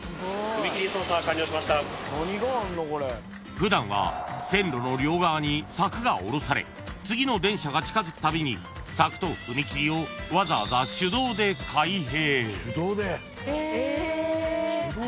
［普段は線路の両側に柵が下ろされ次の電車が近づくたびに柵と踏切をわざわざ手動で開閉］